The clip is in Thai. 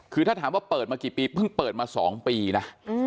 คือถ้าถามว่าเปิดมากี่ปีเพิ่งเปิดมา๒ปีนะ